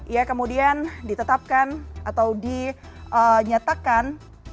ia kemudian ditetapkan atau dinyatakan